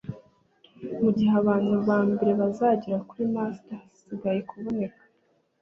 mugihe abantu ba mbere bazagera kuri mars hasigaye kuboneka